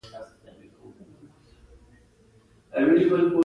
ګډین یو پېړ وړین پرتوګ دی.